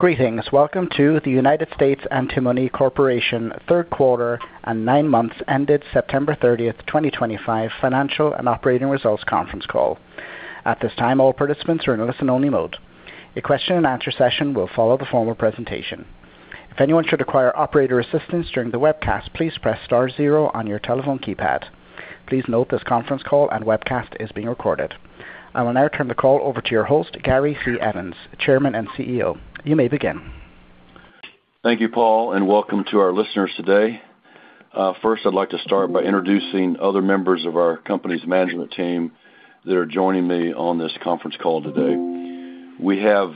Greetings. Welcome to the United States Antimony Corporation third quarter and nine months ended September 30, 2025, financial and operating results conference call. At this time, all participants are in listen-only mode. A question-and-answer session will follow the formal presentation. If anyone should require operator assistance during the webcast, please press star zero on your telephone keypad. Please note this conference call and webcast is being recorded. I will now turn the call over to your host, Gary C. Evans, Chairman and CEO. You may begin. Thank you, Paul, and welcome to our listeners today. First, I'd like to start by introducing other members of our company's management team that are joining me on this conference call today. We have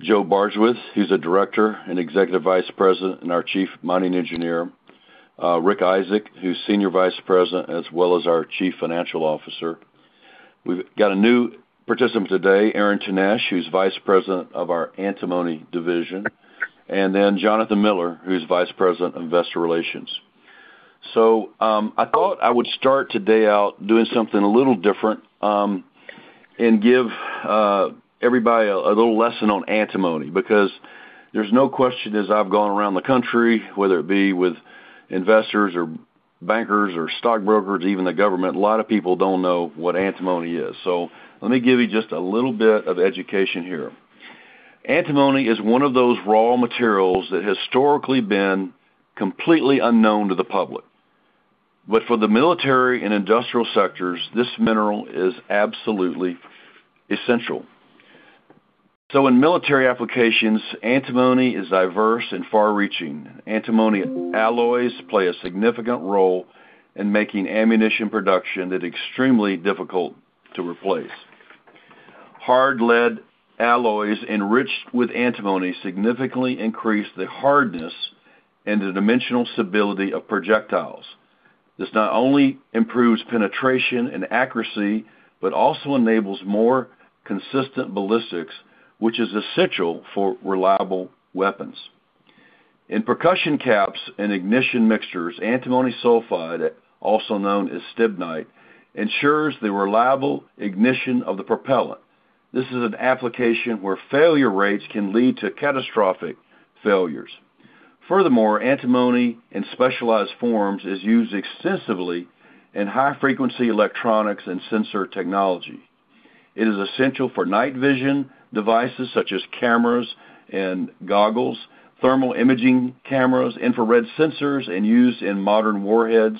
Joe Bardswich, who's a Director and Executive Vice President, and our Chief Mining Engineer, Rick Isaak, who's Senior Vice President, as well as our Chief Financial Officer. We've got a new participant today, Aaron Tenesch, who's Vice President of our Antimony Division, and then Jonathan Miller, who's Vice President of Investor Relations. I thought I would start today out doing something a little different and give everybody a little lesson on antimony because there's no question, as I've gone around the country, whether it be with investors or bankers or stockbrokers, even the government, a lot of people don't know what antimony is. Let me give you just a little bit of education here. Antimony is one of those raw materials that historically have been completely unknown to the public. For the military and industrial sectors, this mineral is absolutely essential. In military applications, antimony is diverse and far-reaching. Antimony alloys play a significant role in making ammunition production that is extremely difficult to replace. Hard lead alloys enriched with antimony significantly increase the hardness and the dimensional stability of projectiles. This not only improves penetration and accuracy but also enables more consistent ballistics, which is essential for reliable weapons. In percussion caps and ignition mixtures, antimony sulfide, also known as stibnite, ensures the reliable ignition of the propellant. This is an application where failure rates can lead to catastrophic failures. Furthermore, antimony in specialized forms is used extensively in high-frequency electronics and sensor technology. It is essential for night vision devices such as cameras and goggles, thermal imaging cameras, infrared sensors, and used in modern warheads,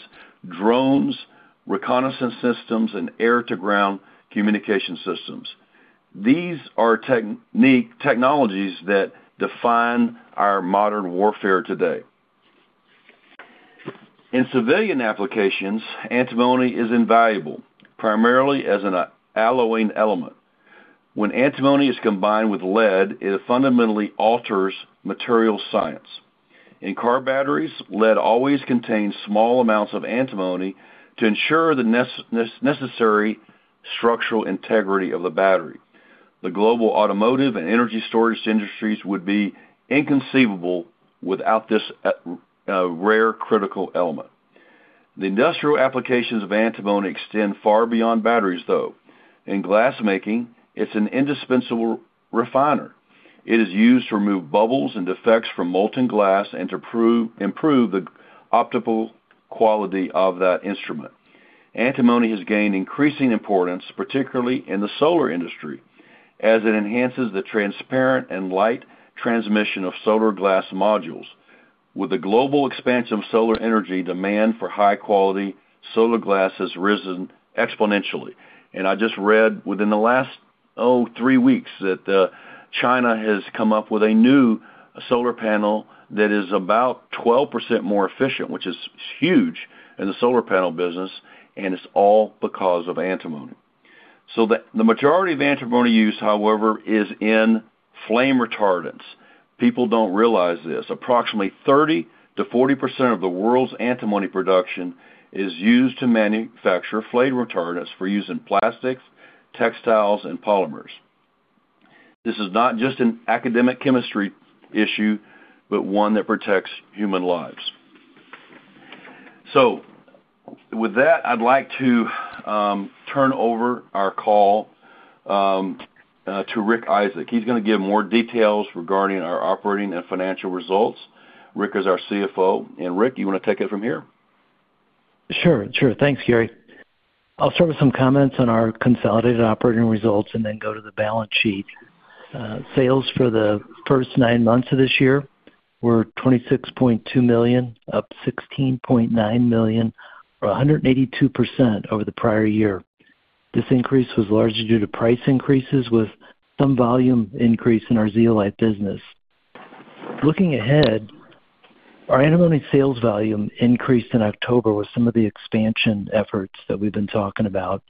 drones, reconnaissance systems, and air-to-ground communication systems. These are technologies that define our modern warfare today. In civilian applications, antimony is invaluable, primarily as an alloying element. When antimony is combined with lead, it fundamentally alters material science. In car batteries, lead always contains small amounts of antimony to ensure the necessary structural integrity of the battery. The global automotive and energy storage industries would be inconceivable without this rare critical element. The industrial applications of antimony extend far beyond batteries, though. In glassmaking, it is an indispensable refiner. It is used to remove bubbles and defects from molten glass and to improve the optical quality of that instrument. Antimony has gained increasing importance, particularly in the solar industry, as it enhances the transparent and light transmission of solar glass modules. With the global expansion of solar energy, demand for high-quality solar glass has risen exponentially. I just read within the last three weeks that China has come up with a new solar panel that is about 12% more efficient, which is huge in the solar panel business, and it is all because of antimony. The majority of antimony use, however, is in flame retardants. People do not realize this. Approximately 30%-40% of the world's antimony production is used to manufacture flame retardants for use in plastics, textiles, and polymers. This is not just an academic chemistry issue, but one that protects human lives. With that, I would like to turn over our call to Rick Isaak. He's going to give more details regarding our operating and financial results. Rick is our CFO. Rick, you want to take it from here? Sure. Sure. Thanks, Gary. I'll start with some comments on our consolidated operating results and then go to the balance sheet. Sales for the first nine months of this year were $26.2 million, up $16.9 million, or 182% over the prior year. This increase was largely due to price increases with some volume increase in our zeolite business. Looking ahead, our antimony sales volume increased in October with some of the expansion efforts that we've been talking about.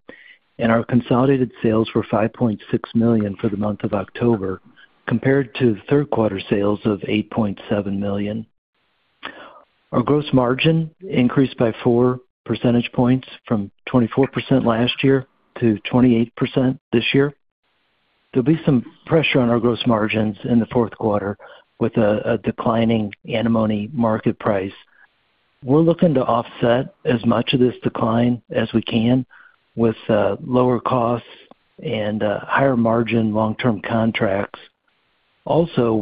Our consolidated sales were $5.6 million for the month of October compared to third quarter sales of $8.7 million. Our gross margin increased by 4 percentage points from 24% last year to 28% this year. There'll be some pressure on our gross margins in the fourth quarter with a declining antimony market price. We're looking to offset as much of this decline as we can with lower costs and higher margin long-term contracts. Also,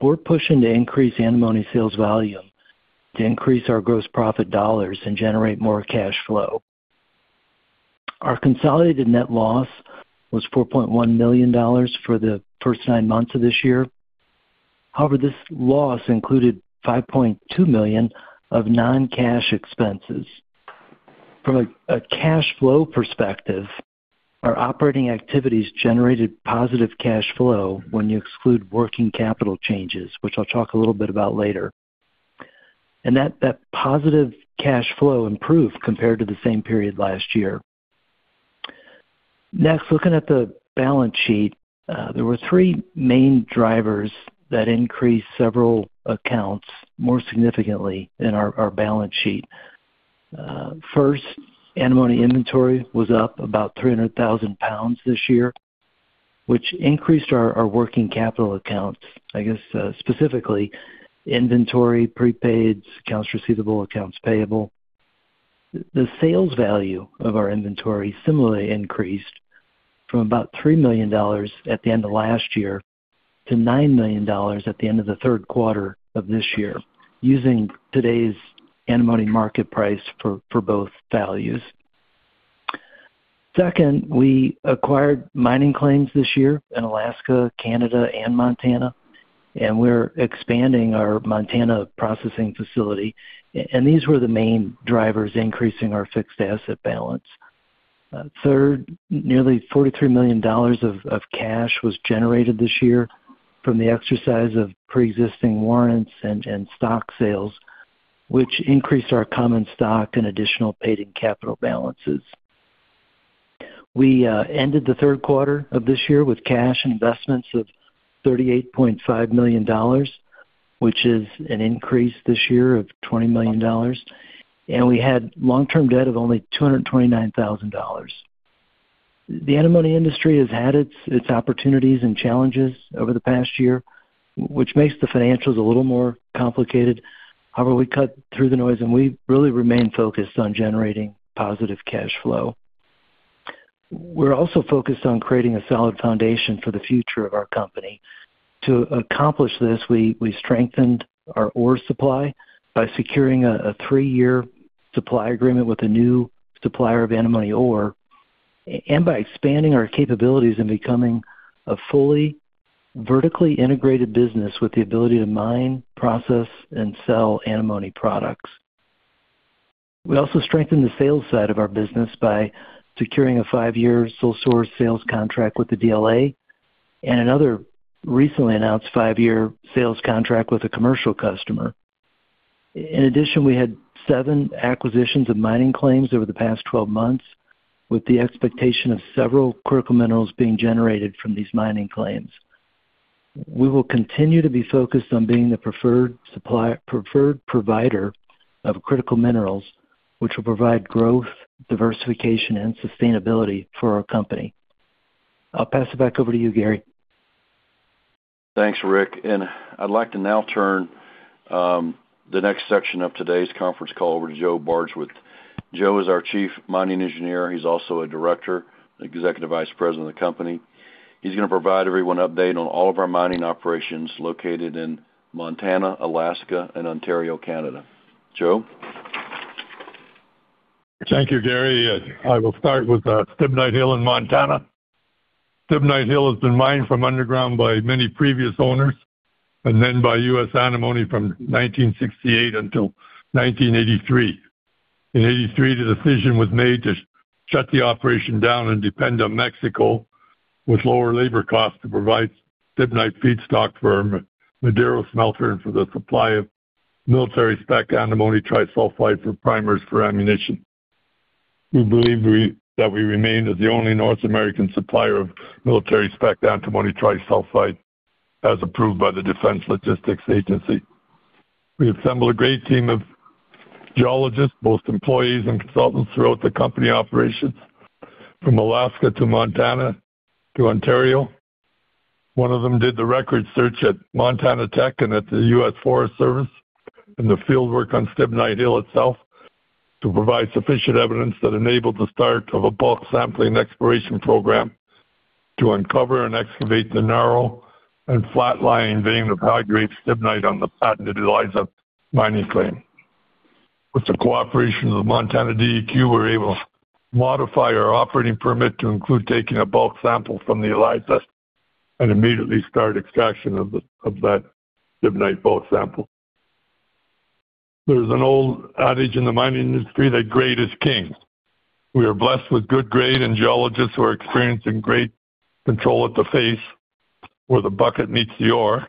we're pushing to increase antimony sales volume to increase our gross profit dollars and generate more cash flow. Our consolidated net loss was $4.1 million for the first nine months of this year. However, this loss included $5.2 million of non-cash expenses. From a cash flow perspective, our operating activities generated positive cash flow when you exclude working capital changes, which I'll talk a little bit about later. That positive cash flow improved compared to the same period last year. Next, looking at the balance sheet, there were three main drivers that increased several accounts more significantly in our balance sheet. First, antimony inventory was up about 300,000 lbs this year, which increased our working capital accounts. I guess specifically, inventory, prepaids, accounts receivable, accounts payable. The sales value of our inventory similarly increased from about $3 million at the end of last year to $9 million at the end of the third quarter of this year, using today's antimony market price for both values. Second, we acquired mining claims this year in Alaska, Canada, and Montana, and we are expanding our Montana processing facility. These were the main drivers increasing our fixed asset balance. Third, nearly $43 million of cash was generated this year from the exercise of pre-existing warrants and stock sales, which increased our common stock and additional paid-in-capital balances. We ended the third quarter of this year with cash investments of $38.5 million, which is an increase this year of $20 million. We had long-term debt of only $229,000. The antimony industry has had its opportunities and challenges over the past year, which makes the financials a little more complicated. However, we cut through the noise, and we really remain focused on generating positive cash flow. We're also focused on creating a solid foundation for the future of our company. To accomplish this, we strengthened our ore supply by securing a three-year supply agreement with a new supplier of antimony ore and by expanding our capabilities and becoming a fully vertically integrated business with the ability to mine, process, and sell antimony products. We also strengthened the sales side of our business by securing a five-year sole source sales contract with the DLA and another recently announced five-year sales contract with a commercial customer. In addition, we had seven acquisitions of mining claims over the past 12 months with the expectation of several critical minerals being generated from these mining claims. We will continue to be focused on being the preferred provider of critical minerals, which will provide growth, diversification, and sustainability for our company. I'll pass it back over to you, Gary. Thanks, Rick. I would like to now turn the next section of today's conference call over to Joe Bardswich. Joe is our Chief Mining Engineer. He is also a Director, Executive Vice President of the company. He is going to provide everyone an update on all of our mining operations located in Montana, Alaska, and Ontario, Canada. Joe? Thank you, Gary. I will start with Stibnite Hill in Montana. Stibnite Hill has been mined from underground by many previous owners and then by U.S. Antimony from 1968 until 1983. In 1983, the decision was made to shut the operation down and depend on Mexico with lower labor costs to provide Stibnite feedstock for Madero Smelter for the supply of military-spec antimony trisulfide for primers for ammunition. We believe that we remain as the only North American supplier of military-spec antimony trisulfide as approved by the Defense Logistics Agency. We assembled a great team of geologists, both employees and consultants throughout the company operations from Alaska to Montana to Ontario. One of them did the record search at Montana Tech and at the U.S. Forest Service and the fieldwork on Stibnite Hill itself to provide sufficient evidence that enabled the start of a bulk sampling exploration program to uncover and excavate the narrow and flat-lying vein of high-grade stibnite on the patented Eliza mining claim. With the cooperation of Montana DEQ, we were able to modify our operating permit to include taking a bulk sample from the Eliza and immediately start extraction of that stibnite bulk sample. There's an old adage in the mining industry that grade is king. We are blessed with good grade and geologists who are experienced in grade control at the face where the bucket meets the ore.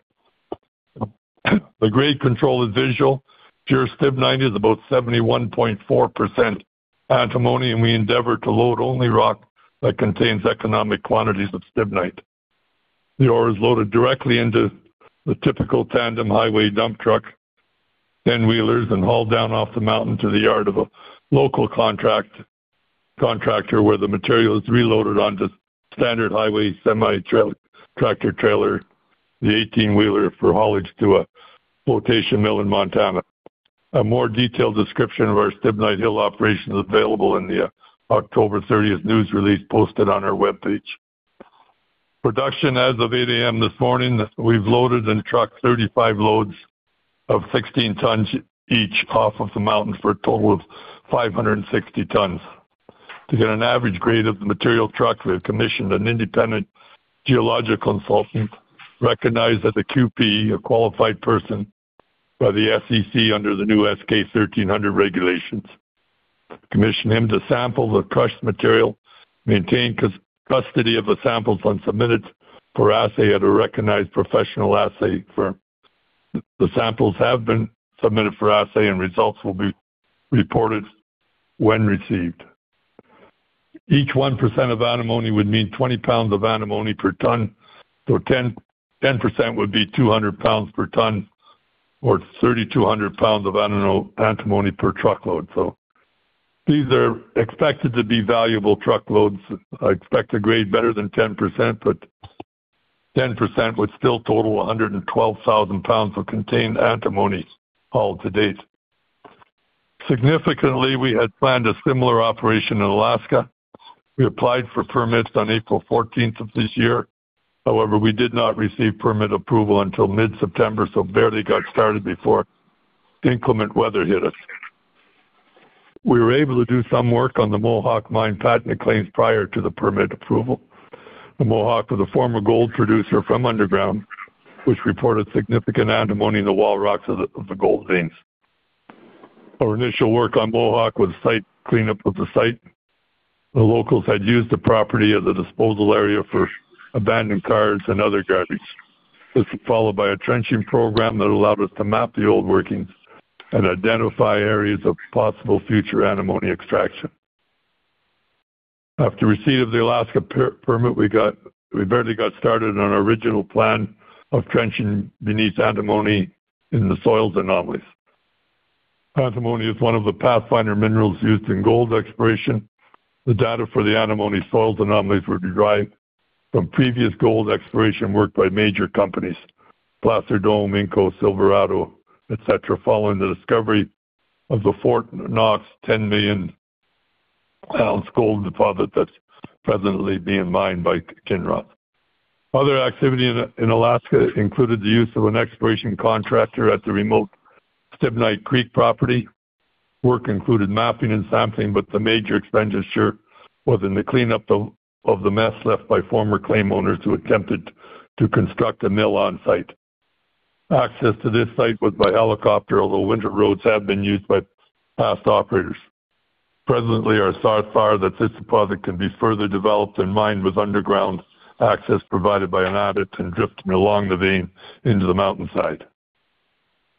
The grade control is visual. Pure stibnite is about 71.4% antimony, and we endeavor to load only rock that contains economic quantities of stibnite. The ore is loaded directly into the typical tandem highway dump truck, 10 wheelers, and hauled down off the mountain to the yard of a local contractor where the material is reloaded onto standard highway semi-tractor trailer, the 18-wheeler, for haulage to a quotation mill in Montana. A more detailed description of our Stibnite Hill operation is available in the October 30th news release posted on our web page. Production as of 8:00 A.M. this morning, we've loaded and trucked 35 loads of 16 tons each off of the mountain for a total of 560 tons. To get an average grade of the material trucked, we have commissioned an independent geological consultant, recognized as a QP, a Qualified Person by the SEC under the new S-K 1300 regulations. Commissioned him to sample the crushed material, maintain custody of the samples, and submit them for assay at a recognized professional assay firm. The samples have been submitted for assay, and results will be reported when received. Each 1% of antimony would mean 20 lbs of antimony per ton, so 10% would be 200 lbs per ton or 3,200 lbs of antimony per truckload. These are expected to be valuable truckloads. I expect a grade better than 10%, but 10% would still total 112,000 lbs of contained antimony hauled to date. Significantly, we had planned a similar operation in Alaska. We applied for permits on April 14th of this year. However, we did not receive permit approval until mid-September, so barely got started before inclement weather hit us. We were able to do some work on the Mohawk mine patented claims prior to the permit approval. The Mohawk was a former gold producer from underground, which reported significant antimony in the wall rocks of the gold veins. Our initial work on Mohawk was site cleanup of the site. The locals had used the property as a disposal area for abandoned carts and other garbage. This was followed by a trenching program that allowed us to map the old workings and identify areas of possible future antimony extraction. After receipt of the Alaska permit, we barely got started on our original plan of trenching beneath antimony in the soils anomalies. Antimony is one of the pathfinder minerals used in gold exploration. The data for the antimony soils anomalies were derived from previous gold exploration work by major companies: Placer Dome, Minco, Silverado, etc., following the discovery of the Fort Knox 10 million ounce gold deposit that's presently being mined by Kinross.. Other activity in Alaska included the use of an exploration contractor at the remote Stibnite Creek property. Work included mapping and sampling, but the major expenditure was in the cleanup of the mess left by former claim owners who attempted to construct a mill on site. Access to this site was by helicopter, although winter roads had been used by past operators. Presently, our sense is that this deposit can be further developed and mined as underground, access provided by an adit and drifting along the vein into the mountainside.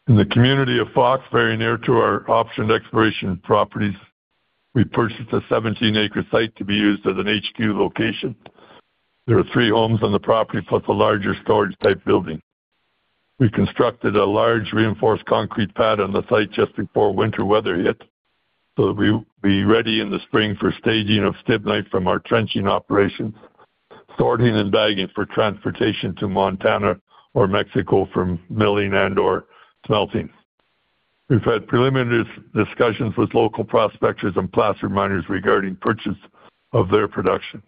In the community of Fort, very near to our optioned exploration properties, we purchased a 17-acre site to be used as an HQ location. There are three homes on the property plus a larger storage-type building. We constructed a large reinforced concrete pad on the site just before winter weather hit so that we would be ready in the spring for staging of stibnite from our trenching operations, sorting and bagging for transportation to Montana or Mexico for milling and/or smelting. We've had preliminary discussions with local prospectors and placer miners regarding purchase of their production.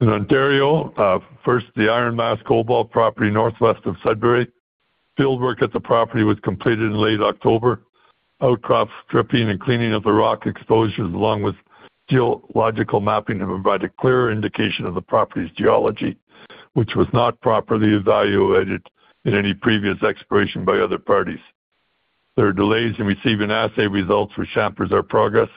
In Ontario, first, the Iron Mask Cobalt property northwest of Sudbury. Fieldwork at the property was completed in late October. Outcrop stripping and cleaning of the rock exposures, along with geological mapping, have provided clear indication of the property's geology, which was not properly evaluated in any previous exploration by other parties. There are delays in receiving assay results, which hampers our progress.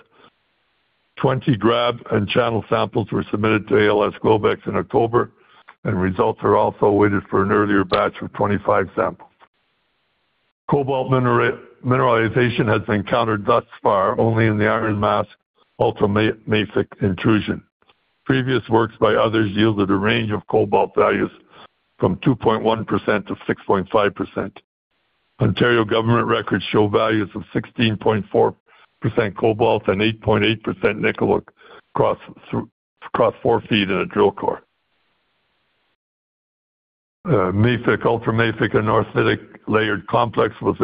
Twenty grab and channel samples were submitted to ALS Global in October, and results are also awaited for an earlier batch of twenty-five samples. Cobalt mineralization has been encountered thus far only in the Iron Mask ultramafic intrusion. Previous works by others yielded a range of cobalt values from 2.1%-6.5%. Ontario government records show values of 16.4% cobalt and 8.8% nickel across four ft in a drill core. Mafic, ultramafic, and north midic layered complex was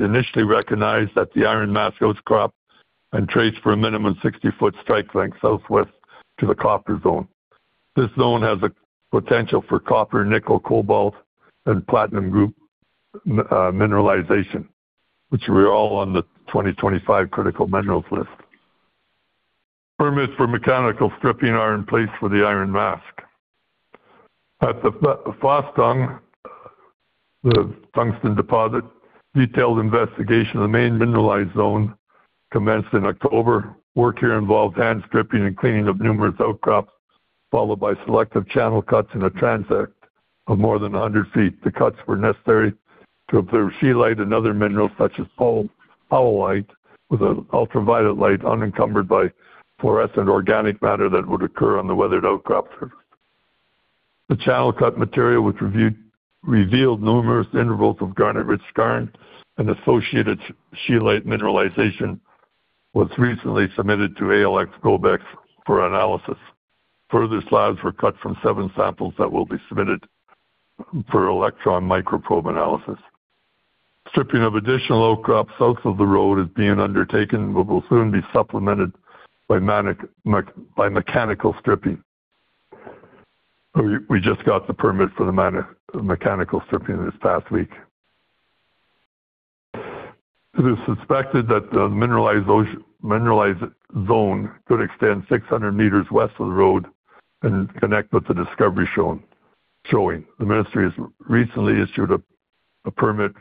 initially recognized at the Iron Mask outcrop and traced for a minimum 60-foot strike length southwest to the copper zone. This zone has a potential for copper, nickel, cobalt, and platinum group mineralization, which are all on the 2025 critical minerals list. Permits for mechanical stripping are in place for the Iron Mask. At the Fostung, the tungsten deposit, detailed investigation of the main mineralized zone commenced in October. Work here involved hand stripping and cleaning of numerous outcrops, followed by selective channel cuts in a transect of more than 100 ft. The cuts were necessary to observe scheelite and other minerals such as powellite with an ultraviolet light unencumbered by fluorescent organic matter that would occur on the weathered outcrop surface. The channel cut material revealed numerous intervals of garnet-rich skarn, and associated scheelite mineralization was recently submitted to ALS Global for analysis. Further slabs were cut from seven samples that will be submitted for electron microprobe analysis. Stripping of additional outcrops south of the road is being undertaken, but will soon be supplemented by mechanical stripping. We just got the permit for the mechanical stripping this past week. It is suspected that the mineralized zone could extend 600 meters west of the road and connect with the discovery showing. The Ministry has recently issued a permit for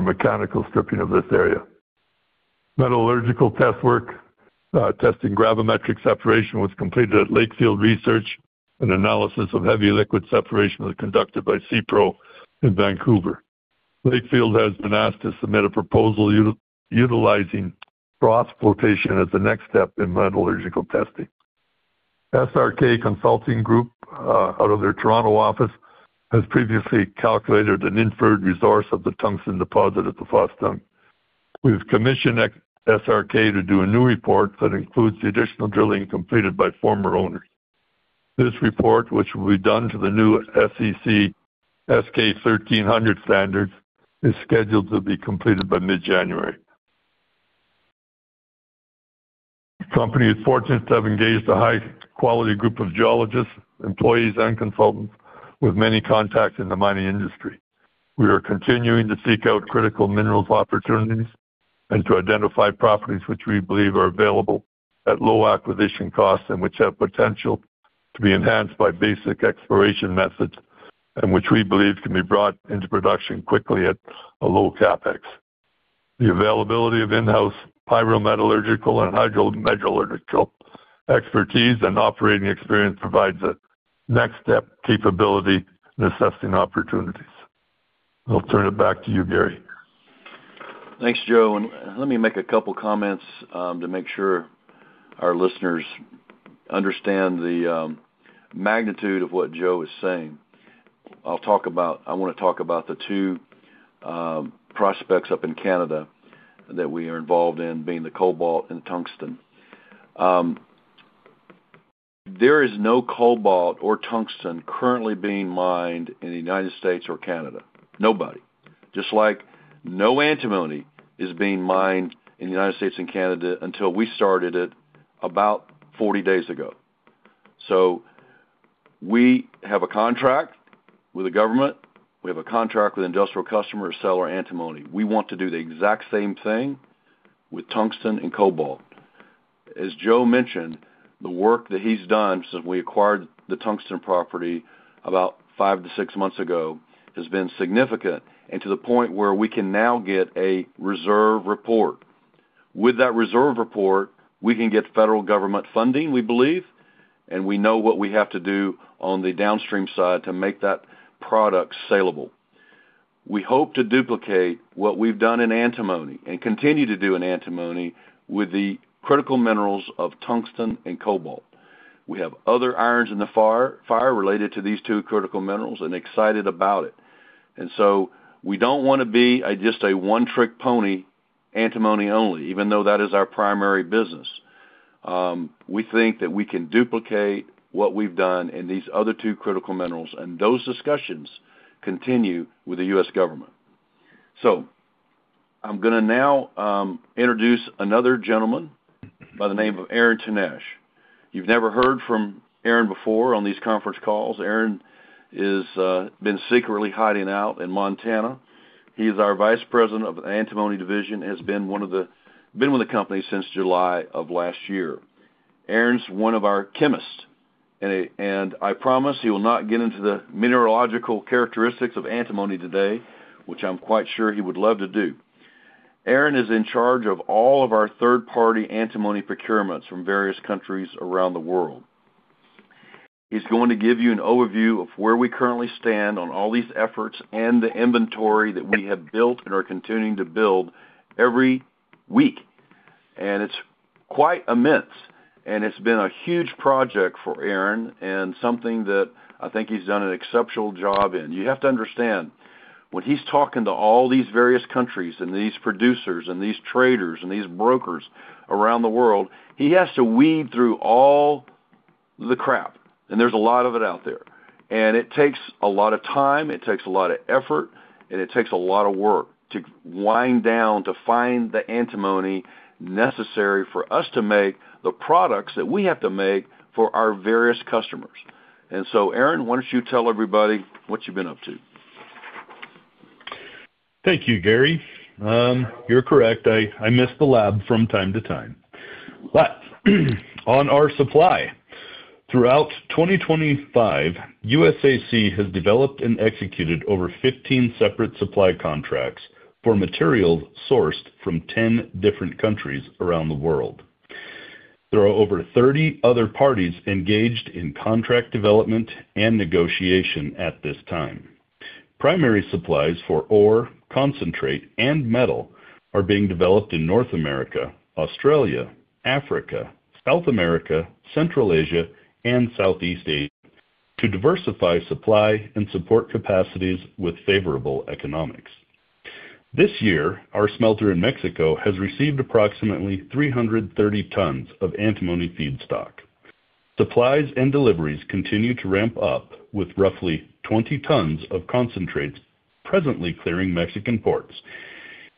mechanical stripping of this area. Metallurgical test work testing gravimetric separation was completed at Lakefield Research. An analysis of heavy liquid separation was conducted by Sepro in Vancouver. Lakefield has been asked to submit a proposal utilizing froth flotation as the next step in metallurgical testing. SRK Consulting Group, out of their Toronto office, has previously calculated an inferred resource of the tungsten deposit at the Fostung. We've commissioned SRK to do a new report that includes the additional drilling completed by former owners. This report, which will be done to the new SEC S-K 1300 standards, is scheduled to be completed by mid-January. The company is fortunate to have engaged a high-quality group of geologists, employees, and consultants with many contacts in the mining industry. We are continuing to seek out critical minerals opportunities and to identify properties which we believe are available at low acquisition costs and which have potential to be enhanced by basic exploration methods and which we believe can be brought into production quickly at a low CapEx. The availability of in-house pyrometallurgical and hydrometallurgical expertise and operating experience provides a next step capability in assessing opportunities. I'll turn it back to you, Gary. Thanks, Joe. Let me make a couple of comments to make sure our listeners understand the magnitude of what Joe is saying. I want to talk about the two prospects up in Canada that we are involved in, being the cobalt and the tungsten. There is no cobalt or tungsten currently being mined in the United States or Canada. Nobody. Just like no antimony is being mined in the United States and Canada until we started it about 40 days ago. We have a contract with the government. We have a contract with an industrial customer to sell our antimony. We want to do the exact same thing with tungsten and cobalt. As Joe mentioned, the work that he's done since we acquired the tungsten property about five to six months ago has been significant and to the point where we can now get a reserve report. With that reserve report, we can get federal government funding, we believe, and we know what we have to do on the downstream side to make that product saleable. We hope to duplicate what we've done in antimony and continue to do in antimony with the critical minerals of tungsten and cobalt. We have other irons in the fire related to these two critical minerals and excited about it. We do not want to be just a one-trick pony antimony only, even though that is our primary business. We think that we can duplicate what we've done in these other two critical minerals, and those discussions continue with the U.S. government. I am going to now introduce another gentleman by the name of Aaron Tenesch. You've never heard from Aaron before on these conference calls. Aaron has been secretly hiding out in Montana. He is our Vice President of the Antimony Division and has been with the company since July of last year. Aaron's one of our chemists, and I promise he will not get into the mineralogical characteristics of antimony today, which I'm quite sure he would love to do. Aaron is in charge of all of our third-party antimony procurements from various countries around the world. He's going to give you an overview of where we currently stand on all these efforts and the inventory that we have built and are continuing to build every week. It is quite immense, and it has been a huge project for Aaron and something that I think he has done an exceptional job in. You have to understand, when he's talking to all these various countries and these producers and these traders and these brokers around the world, he has to weed through all the crap, and there's a lot of it out there. It takes a lot of time. It takes a lot of effort, and it takes a lot of work to wind down to find the antimony necessary for us to make the products that we have to make for our various customers. Aaron, why don't you tell everybody what you've been up to? Thank you, Gary. You're correct. I miss the lab from time to time. On our supply, throughout 2025, USAC has developed and executed over 15 separate supply contracts for materials sourced from 10 different countries around the world. There are over 30 other parties engaged in contract development and negotiation at this time. Primary supplies for ore, concentrate, and metal are being developed in North America, Australia, Africa, South America, Central Asia, and Southeast Asia to diversify supply and support capacities with favorable economics. This year, our smelter in Mexico has received approximately 330 tons of antimony feedstock. Supplies and deliveries continue to ramp up with roughly 20 tons of concentrates presently clearing Mexican ports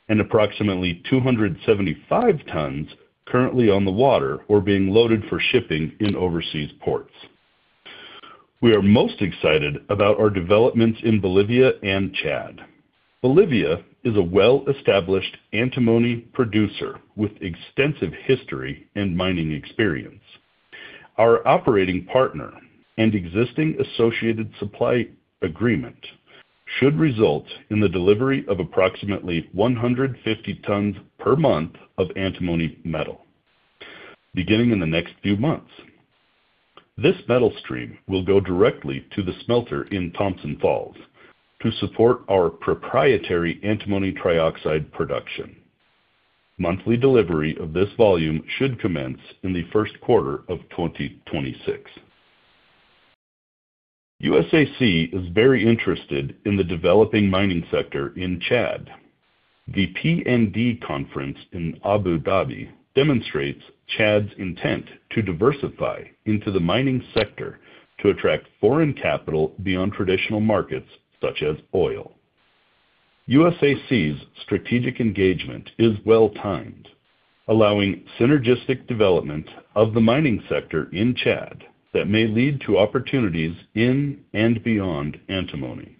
and approximately 275 tons currently on the water or being loaded for shipping in overseas ports. We are most excited about our developments in Bolivia and Chad. Bolivia is a well-established antimony producer with extensive history and mining experience. Our operating partner and existing associated supply agreement should result in the delivery of approximately 150 tons per month of antimony metal, beginning in the next few months. This metal stream will go directly to the smelter in Thompson Falls to support our proprietary antimony trioxide production. Monthly delivery of this volume should commence in the first quarter of 2026. USAC is very interested in the developing mining sector in Chad. The PND Conference in Abu Dhabi demonstrates Chad's intent to diversify into the mining sector to attract foreign capital beyond traditional markets such as oil. USAC's strategic engagement is well-timed, allowing synergistic development of the mining sector in Chad that may lead to opportunities in and beyond antimony.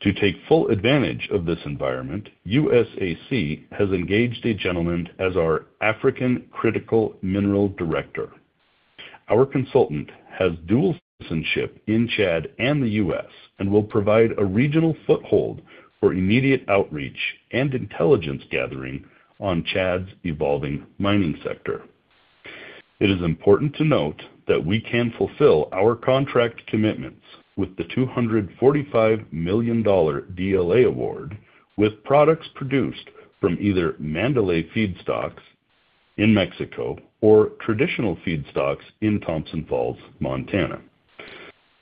To take full advantage of this environment, USAC has engaged a gentleman as our African Critical Mineral Director. Our consultant has dual citizenship in Chad and the U.S. and will provide a regional foothold for immediate outreach and intelligence gathering on Chad's evolving mining sector. It is important to note that we can fulfill our contract commitments with the $245 million DLA award with products produced from either Mandalay feedstocks in Mexico or traditional feedstocks in Thompson Falls, Montana.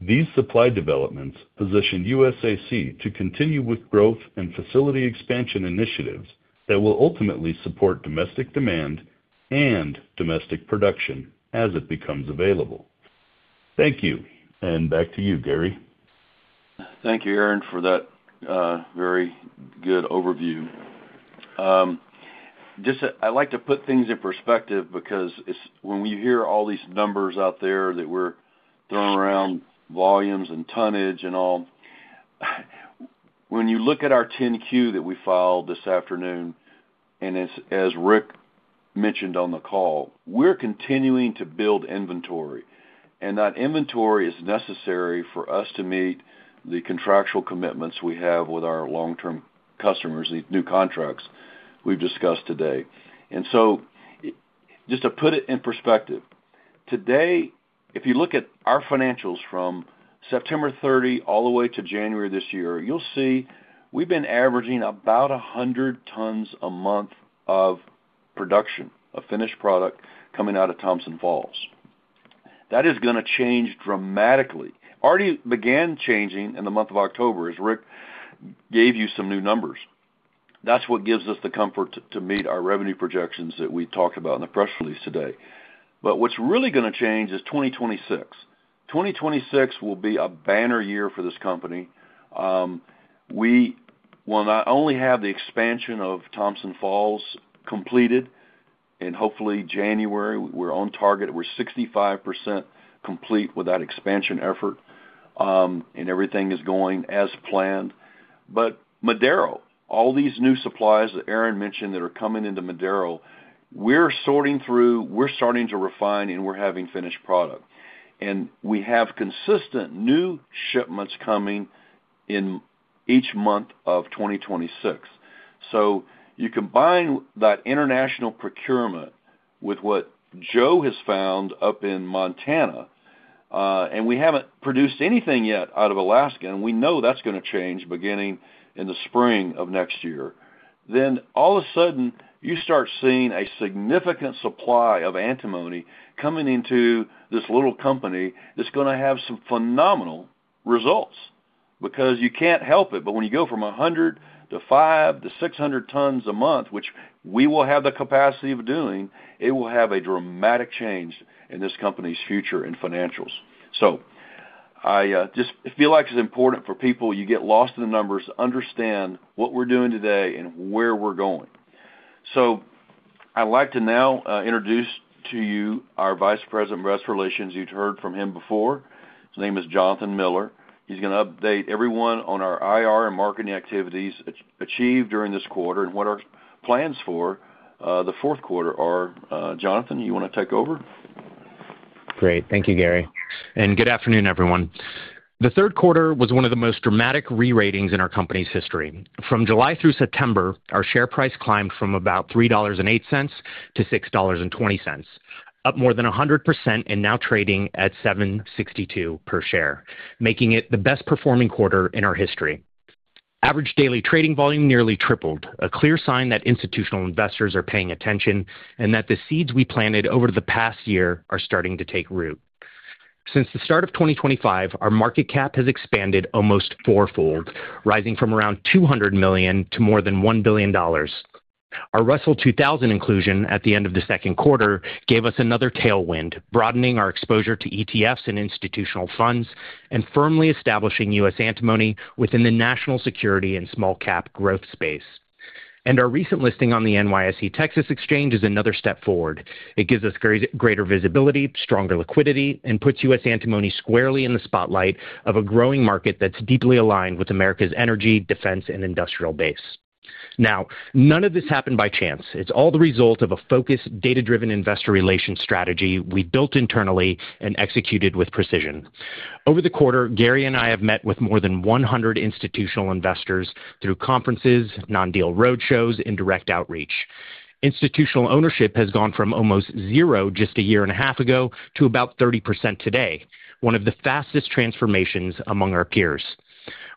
These supply developments position USAC to continue with growth and facility expansion initiatives that will ultimately support domestic demand and domestic production as it becomes available. Thank you. Back to you, Gary. Thank you, Aaron, for that very good overview. I like to put things in perspective because when we hear all these numbers out there that we're throwing around, volumes and tonnage and all, when you look at our 10-Q that we filed this afternoon, and as Rick mentioned on the call, we're continuing to build inventory. That inventory is necessary for us to meet the contractual commitments we have with our long-term customers, these new contracts we've discussed today. Just to put it in perspective, today, if you look at our financials from September 30 all the way to January this year, you'll see we've been averaging about 100 tons a month of production, a finished product coming out of Thompson Falls. That is going to change dramatically. Already began changing in the month of October as Rick gave you some new numbers. That's what gives us the comfort to meet our revenue projections that we talked about in the press release today. What's really going to change is 2026. 2026 will be a banner year for this company. We will not only have the expansion of Thompson Falls completed in hopefully January. We're on target. We're 65% complete with that expansion effort, and everything is going as planned. Madero, all these new supplies that Aaron mentioned that are coming into Madero, we're sorting through, we're starting to refine, and we're having finished product. We have consistent new shipments coming in each month of 2026. You combine that international procurement with what Joe has found up in Montana, and we have not produced anything yet out of Alaska, and we know that is going to change beginning in the spring of next year. All of a sudden, you start seeing a significant supply of antimony coming into this little company that is going to have some phenomenal results because you cannot help it. When you go from 100 to 500-600 tons a month, which we will have the capacity of doing, it will have a dramatic change in this company's future and financials. I just feel like it is important for people, you get lost in the numbers, to understand what we are doing today and where we are going. I would like to now introduce to you our Vice President of U.S. Relations. You have heard from him before. His name is Jonathan Miller. He's going to update everyone on our IR and marketing activities achieved during this quarter and what our plans for the fourth quarter are. Jonathan, you want to take over? Great. Thank you, Gary. Good afternoon, everyone. The third quarter was one of the most dramatic re-ratings in our company's history. From July through September, our share price climbed from about $3.08-$6.20, up more than 100% and now trading at $7.62 per share, making it the best-performing quarter in our history. Average daily trading volume nearly tripled, a clear sign that institutional investors are paying attention and that the seeds we planted over the past year are starting to take root. Since the start of 2025, our market cap has expanded almost fourfold, rising from around $200 million to more than $1 billion. Our Russell 2000 inclusion at the end of the second quarter gave us another tailwind, broadening our exposure to ETFs and institutional funds and firmly establishing U.S. antimony within the national security and small-cap growth space. Our recent listing on the NYSE Texas Exchange is another step forward. It gives us greater visibility, stronger liquidity, and puts U.S. antimony squarely in the spotlight of a growing market that's deeply aligned with America's energy, defense, and industrial base. None of this happened by chance. It's all the result of a focused, data-driven investor relations strategy we built internally and executed with precision. Over the quarter, Gary and I have met with more than 100 institutional investors through conferences, non-deal road shows, and direct outreach. Institutional ownership has gone from almost zero just a year and a half ago to about 30% today, one of the fastest transformations among our peers.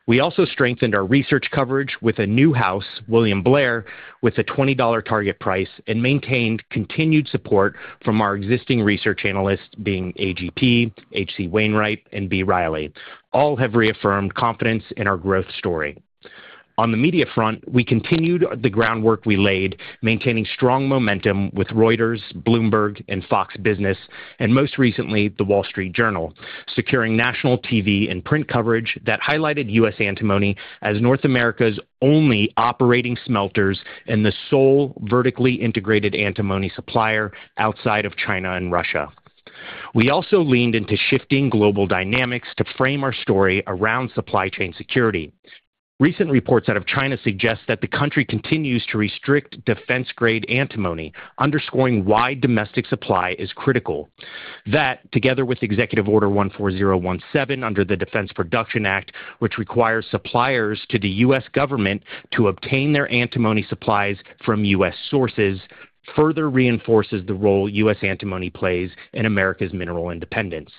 We also strengthened our research coverage with a new house, William Blair, with a $20 target price and maintained continued support from our existing research analysts, being AGP, H.C. Wainwright, and B. Riley, all have reaffirmed confidence in our growth story. On the media front, we continued the groundwork we laid, maintaining strong momentum with Reuters, Bloomberg, and Fox Business, and most recently, The Wall Street Journal, securing national TV and print coverage that highlighted U.S. antimony as North America's only operating smelters and the sole vertically integrated antimony supplier outside of China and Russia. We also leaned into shifting global dynamics to frame our story around supply chain security. Recent reports out of China suggest that the country continues to restrict defense-grade antimony, underscoring why domestic supply is critical. That, together with Executive Order 14017 under the Defense Production Act, which requires suppliers to the U.S. government to obtain their antimony supplies from U.S. sources, further reinforces the role U.S. antimony plays in America's mineral independence.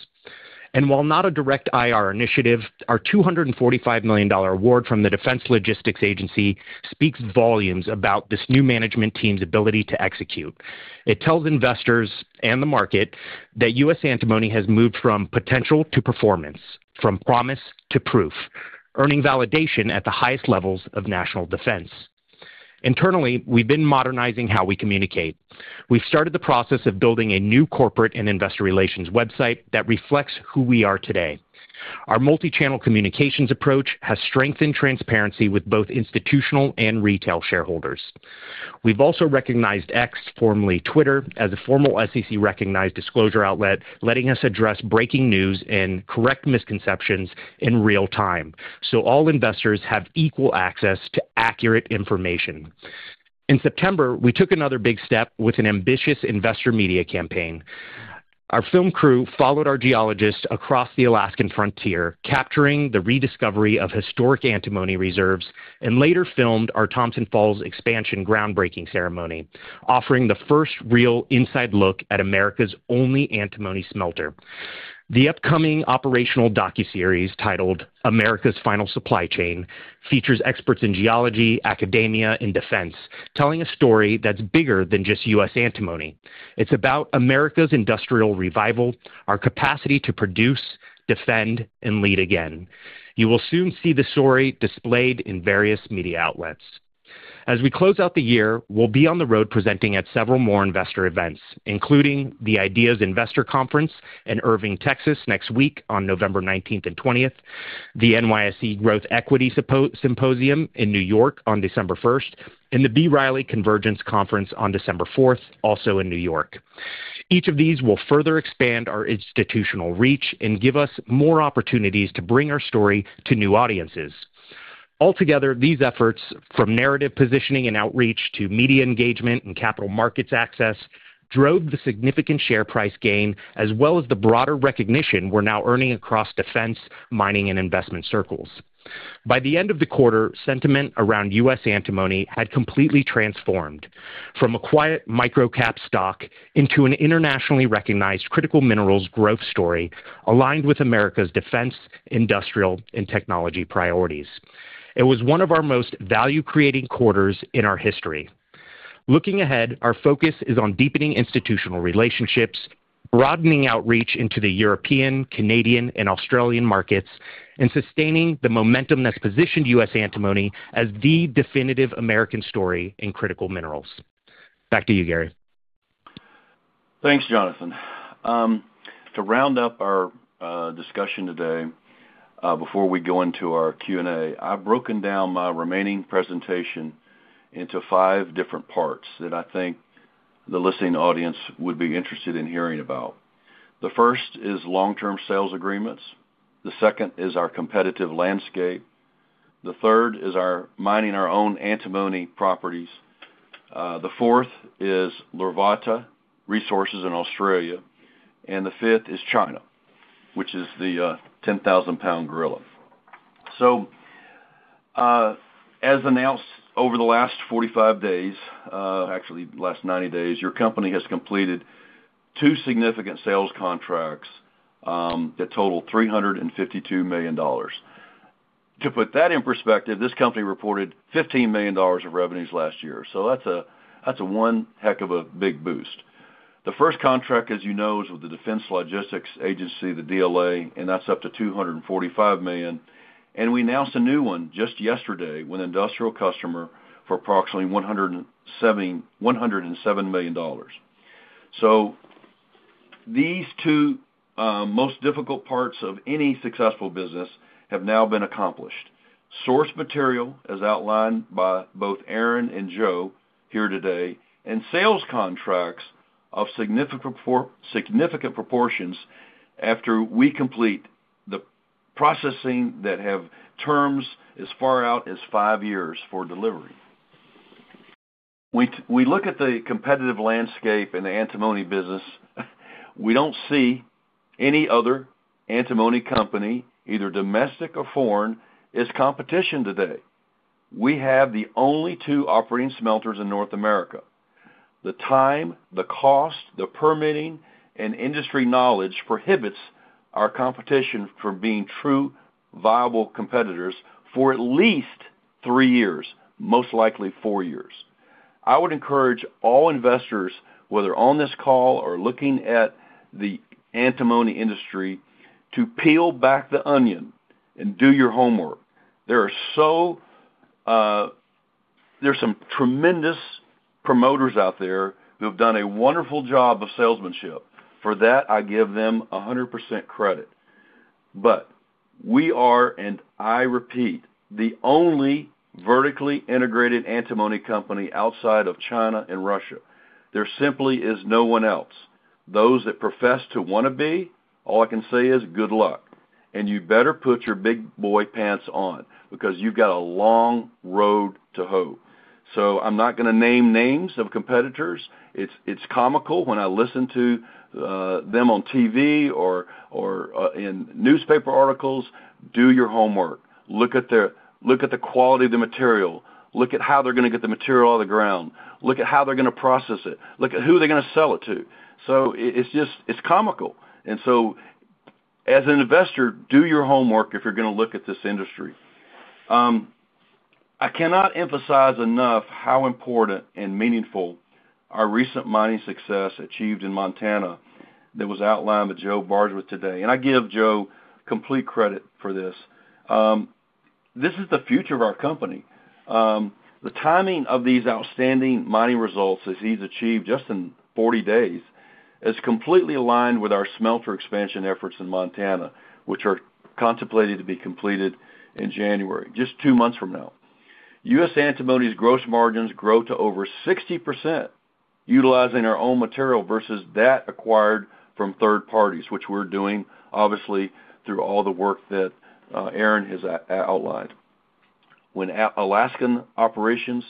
While not a direct IR initiative, our $245 million award from the Defense Logistics Agency speaks volumes about this new management team's ability to execute. It tells investors and the market that U.S. antimony has moved from potential to performance, from promise to proof, earning validation at the highest levels of national defense. Internally, we've been modernizing how we communicate. We've started the process of building a new corporate and investor relations website that reflects who we are today. Our multi-channel communications approach has strengthened transparency with both institutional and retail shareholders. We've also recognized X, formerly Twitter, as a formal SEC-recognized disclosure outlet, letting us address breaking news and correct misconceptions in real time, so all investors have equal access to accurate information. In September, we took another big step with an ambitious investor media campaign. Our film crew followed our geologists across the Alaskan frontier, capturing the rediscovery of historic antimony reserves and later filmed our Thompson Falls expansion groundbreaking ceremony, offering the first real inside look at America's only antimony smelter. The upcoming operational docuseries titled America's Final Supply Chain features experts in geology, academia, and defense, telling a story that's bigger than just U.S. antimony. It's about America's industrial revival, our capacity to produce, defend, and lead again. You will soon see the story displayed in various media outlets. As we close out the year, we'll be on the road presenting at several more investor events, including the Ideas Investor Conference in Irving, Texas, next week on November 19th and 20th, the NYSE Growth Equity Symposium in New York on December 1st, and the B. Riley Convergence Conference on December 4th, also in New York. Each of these will further expand our institutional reach and give us more opportunities to bring our story to new audiences. Altogether, these efforts, from narrative positioning and outreach to media engagement and capital markets access, drove the significant share price gain as well as the broader recognition we're now earning across defense, mining, and investment circles. By the end of the quarter, sentiment around U.S. Antimony had completely transformed from a quiet microcap stock into an internationally recognized critical minerals growth story aligned with America's defense, industrial, and technology priorities. It was one of our most value-creating quarters in our history. Looking ahead, our focus is on deepening institutional relationships, broadening outreach into the European, Canadian, and Australian markets, and sustaining the momentum that's positioned U.S. Antimony as the definitive American story in critical minerals. Back to you, Gary. Thanks, Jonathan. To round up our discussion today before we go into our Q&A, I've broken down my remaining presentation into five different parts that I think the listening audience would be interested in hearing about. The first is long-term sales agreements. The second is our competitive landscape. The third is mining our own antimony properties. The fourth is Larvotto Resources in Australia. The fifth is China, which is the 10,000-lbs gorilla. As announced over the last 45 days, actually the last 90 days, your company has completed two significant sales contracts that total $352 million. To put that in perspective, this company reported $15 million of revenues last year. That's a one heck of a big boost. The first contract, as you know, is with the Defense Logistics Agency, the DLA, and that's up to $245 million. We announced a new one just yesterday with an industrial customer for approximately $107 million. These two most difficult parts of any successful business have now been accomplished. Source material, as outlined by both Aaron and Joe here today, and sales contracts of significant proportions after we complete the processing that have terms as far out as five years for delivery. We look at the competitive landscape in the antimony business. We do not see any other antimony company, either domestic or foreign, as competition today. We have the only two operating smelters in North America. The time, the cost, the permitting, and industry knowledge prohibits our competition from being true viable competitors for at least three years, most likely four years. I would encourage all investors, whether on this call or looking at the antimony industry, to peel back the onion and do your homework. There are some tremendous promoters out there who have done a wonderful job of salesmanship. For that, I give them 100% credit. We are, and I repeat, the only vertically integrated antimony company outside of China and Russia. There simply is no one else. Those that profess to want to be, all I can say is good luck. You better put your big boy pants on because you've got a long road to hoe. I'm not going to name names of competitors. It's comical when I listen to them on TV or in newspaper articles. Do your homework. Look at the quality of the material. Look at how they're going to get the material out of the ground. Look at how they're going to process it. Look at who they're going to sell it to. It's comical. As an investor, do your homework if you're going to look at this industry. I cannot emphasize enough how important and meaningful our recent mining success achieved in Montana that was outlined by Joe Bardswich today. I give Joe complete credit for this. This is the future of our company. The timing of these outstanding mining results that he's achieved just in 40 days is completely aligned with our smelter expansion efforts in Montana, which are contemplated to be completed in January, just two months from now. U.S. Antimony's gross margins grow to over 60% utilizing our own material versus that acquired from third parties, which we're doing, obviously, through all the work that Aaron has outlined. When Alaskan operations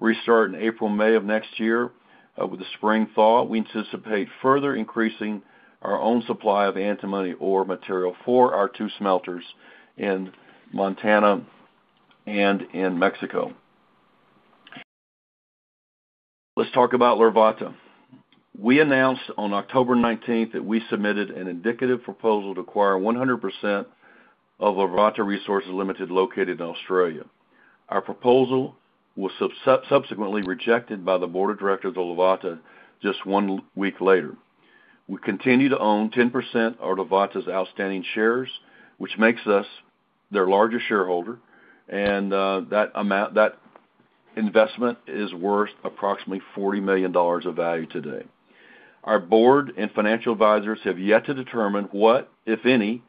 restart in April, May of next year with the spring thaw, we anticipate further increasing our own supply of antimony ore material for our two smelters in Montana and in Mexico. Let's talk about Larvotto. We announced on October 19 that we submitted an indicative proposal to acquire 100% of Larvotto Resources Limited located in Australia. Our proposal was subsequently rejected by the Board of Directors of Larvotto just one week later. We continue to own 10% of Larvotto's outstanding shares, which makes us their largest shareholder. That investment is worth approximately $40 million of value today. Our board and financial advisors have yet to determine what, if any,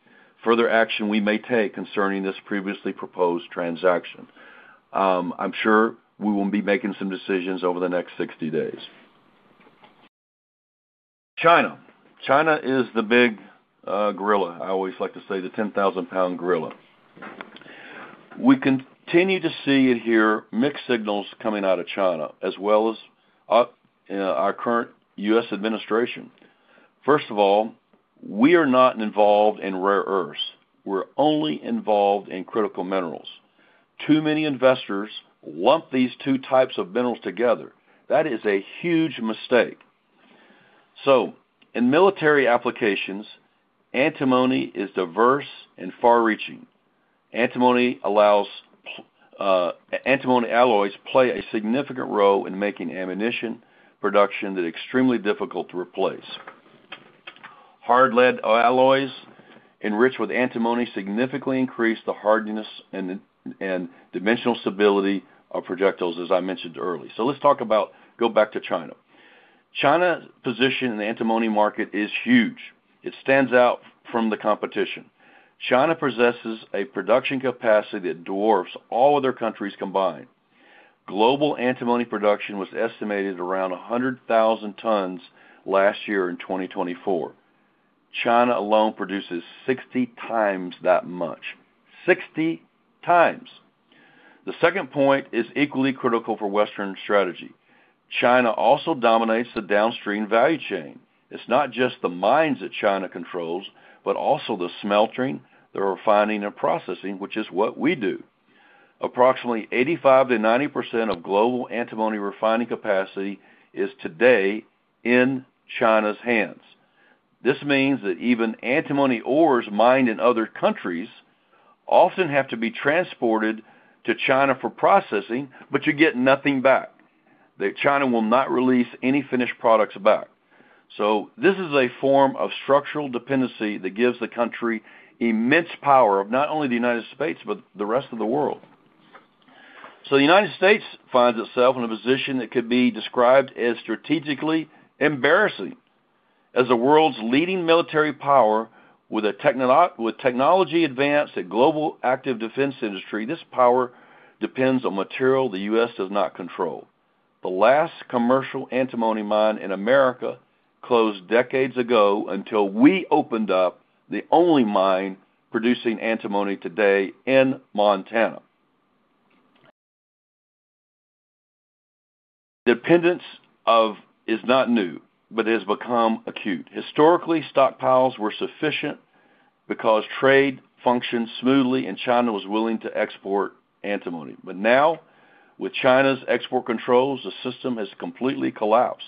further action we may take concerning this previously proposed transaction. I am sure we will be making some decisions over the next 60 days. China. China is the big gorilla. I always like to say the 10,000-lbs gorilla. We continue to see and hear mixed signals coming out of China, as well as our current U.S. administration. First of all, we are not involved in rare earths. We're only involved in critical minerals. Too many investors lump these two types of minerals together. That is a huge mistake. In military applications, antimony is diverse and far-reaching. Antimony alloys play a significant role in making ammunition production that is extremely difficult to replace. Hard lead alloys enriched with antimony significantly increase the hardness and dimensional stability of projectiles, as I mentioned earlier. Let's go back to China. China's position in the antimony market is huge. It stands out from the competition. China possesses a production capacity that dwarfs all other countries combined. Global antimony production was estimated around 100,000 tons last year in 2024. China alone produces 60 times that much. 60 times. The second point is equally critical for Western strategy. China also dominates the downstream value chain. It is not just the mines that China controls, but also the smelting, the refining, and processing, which is what we do. Approximately 85%-90% of global antimony refining capacity is today in China's hands. This means that even antimony ores mined in other countries often have to be transported to China for processing, but you get nothing back. China will not release any finished products back. This is a form of structural dependency that gives the country immense power over not only the United States, but the rest of the world. The United States finds itself in a position that could be described as strategically embarrassing. As the world's leading military power with technology advanced at global active defense industry, this power depends on material the U.S. does not control. The last commercial antimony mine in America closed decades ago until we opened up the only mine producing antimony today in Montana. Dependence is not new, but it has become acute. Historically, stockpiles were sufficient because trade functioned smoothly, and China was willing to export antimony. Now, with China's export controls, the system has completely collapsed.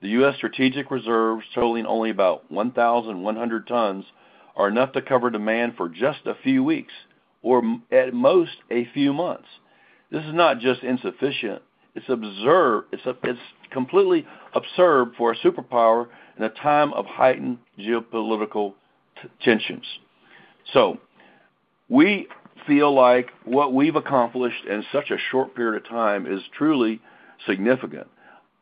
The U.S. strategic reserves, totaling only about 1,100 tons, are enough to cover demand for just a few weeks, or at most a few months. This is not just insufficient. It's completely absurd for a superpower in a time of heightened geopolitical tensions. We feel like what we've accomplished in such a short period of time is truly significant.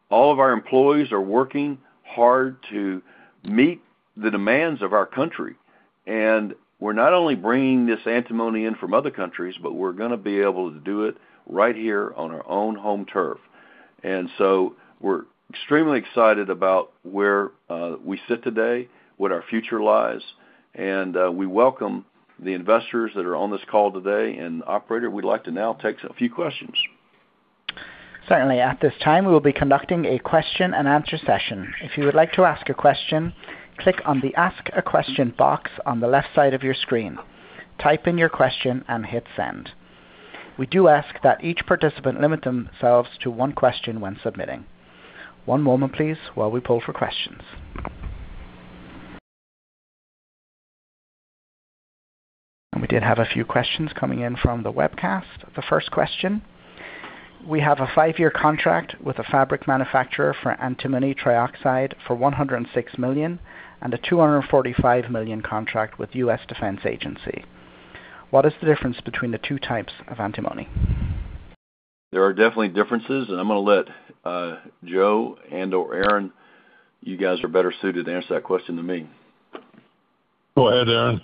All of our employees are working hard to meet the demands of our country. We're not only bringing this antimony in from other countries, but we're going to be able to do it right here on our own home turf. We're extremely excited about where we sit today, what our future lies. We welcome the investors that are on this call today. Operator, we'd like to now take a few questions. Certainly. At this time, we will be conducting a question-and-answer session. If you would like to ask a question, click on the Ask a Question box on the left side of your screen. Type in your question and hit Send. We do ask that each participant limit themselves to one question when submitting. One moment, please, while we pull for questions. We did have a few questions coming in from the webcast. The first question. We have a five-year contract with a fabric manufacturer for antimony trioxide for $106 million and a $245 million contract with U.S. Defense Agency. What is the difference between the two types of antimony? There are definitely differences. I'm going to let Joe and/or Aaron, you guys are better suited to answer that question than me. Go ahead, Aaron.